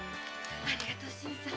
ありがと新さん。